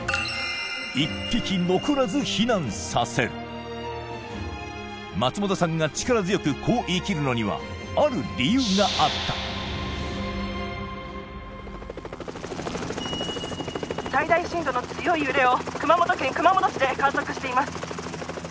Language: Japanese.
１匹残らず避難させる松本さんが力強くこう言い切るのにはある理由があった最大震度の強い揺れを熊本県熊本市で観測しています